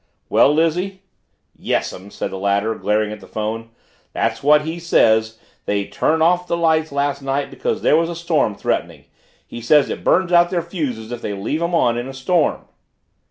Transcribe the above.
"Well, Lizzie?" "Yes'm," said the latter, glaring at the phone. "That's what he says they turned off the lights last night because there was a storm threatening. He says it burns out their fuses if they leave 'em on in a storm."